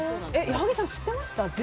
矢作さん、知ってました？